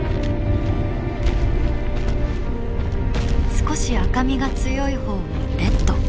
少し赤身が強いほうをレッド。